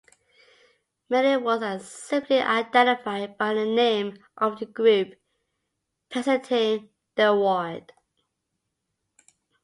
Many awards are simply identified by the name of the group presenting the award.